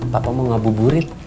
papa mau ngambu burit